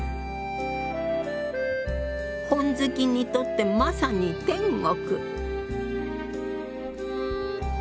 本好きにとってまさに天国。